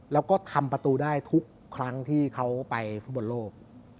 แล้วก็ทำประตูได้ทุกครั้งที่เขาไปฟุตบอลโลก